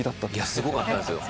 すごかったですよ。